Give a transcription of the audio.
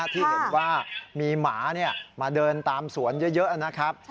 ที่เห็นว่ามีหมามาเดินตามสวนเยอะนะครับ